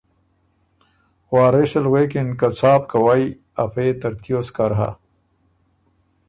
وارث ال غوېکِن که ”څا بو کوئ افۀ يې ترتیوس کر هۀ۔